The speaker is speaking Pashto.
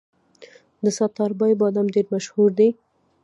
د ستاربای بادام ډیر مشهور دي.